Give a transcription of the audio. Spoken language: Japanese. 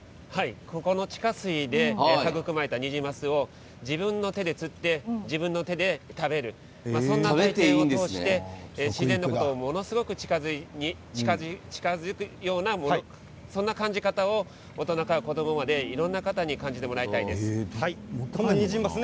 ここの地下水で育まれたニジマスを自分の手で釣って自分の手で食べるそんな体験を通して自然にものすごく近づくようなそんな感じ方を、大人から子どもまでいろんな方にニジマス